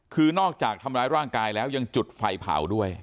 คือนอกจากทำร้ายร่างกายแล้วยังจุดไฟเผาด้วย